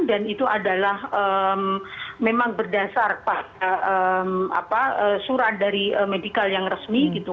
dan itu adalah memang berdasar surat dari medical yang resmi gitu